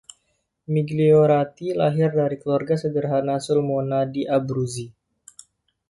Migliorati lahir dari keluarga sederhana Sulmona di Abruzzi.